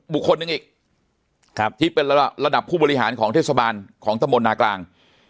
บุคคลหนึ่งอีกที่เป็นระดับผู้บริหารของเทศบาลของตะมนนากลาง